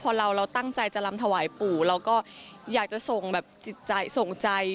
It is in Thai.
พอเราตั้งใจจะลำถวายปู่เราก็อยากจะส่งแบบจิตใจส่งใจ